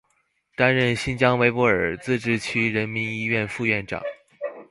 担任新疆维吾尔自治区人民医院副院长。